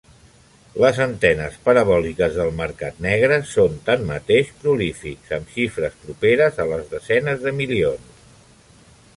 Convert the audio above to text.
Les antenes parabòliques del mercat negre són tanmateix prolífics, amb xifres properes a les desenes de milions.